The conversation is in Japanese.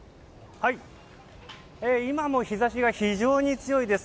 今も日差しが非常に強いです。